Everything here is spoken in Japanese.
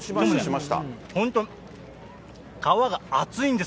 本当、皮が厚いんです。